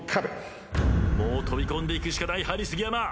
もう飛び込んでいくしかないハリー杉山。